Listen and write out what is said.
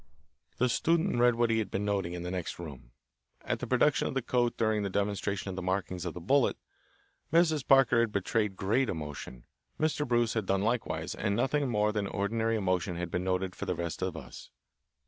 The student read what he had been noting in the next room. At the production of the coat during the demonstration of the markings of the bullet, Mrs. Parker had betrayed great emotion, Mr. Bruce had done likewise, and nothing more than ordinary emotion had been noted for the rest of us.